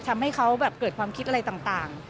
ทำให้เขาแบบเกิดความคิดอะไรต่าง